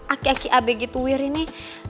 aki aki ab gitu wir ini